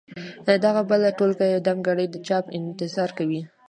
دغه بله ټولګه دمګړۍ د چاپ انتظار کوي.